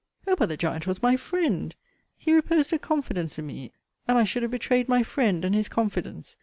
'Oh! but the giant was my friend: he reposed a confidence in me: and I should have betrayed my friend, and his confidence!'